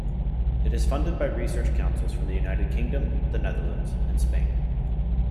It is funded by research councils from the United Kingdom, the Netherlands and Spain.